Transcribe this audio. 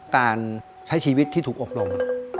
การใช้ชีวิตที่ถูกอบรม